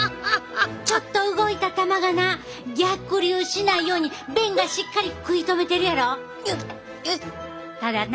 ちょっと動いた球がな逆流しないように弁がしっかり食い止めてるやろ。